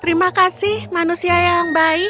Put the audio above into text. terima kasih manusia yang baik